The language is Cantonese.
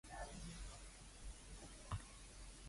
香港有條撚前景咩